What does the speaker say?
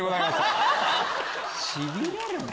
しびれるね！